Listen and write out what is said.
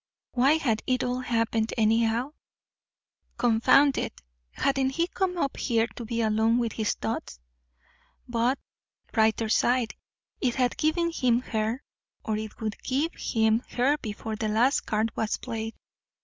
Why had it all happened, anyhow? Confound it, hadn't he come up here to be alone with his thoughts? But, brighter side, it had given him her or it would give him her before the last card was played.